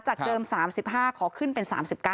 จากเดิม๓๕ขอขึ้นเป็น๓๙